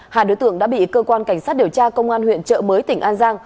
hai đối tượng đã bị cơ quan cảnh sát điều tra công an huyện trợ mới tỉnh an giang